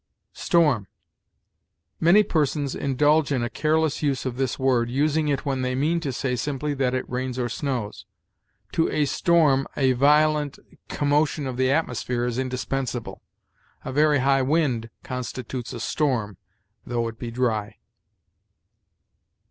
STORM. Many persons indulge in a careless use of this word, using it when they mean to say simply that it rains or snows. To a storm a violent commotion of the atmosphere is indispensable. A very high wind constitutes a storm, though it be dry.